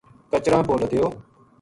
کچراں پو لدیو